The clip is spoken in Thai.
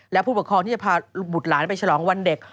และผู้ปกครองที่จะพาบุตรหลานไปฉลองวันเด็ก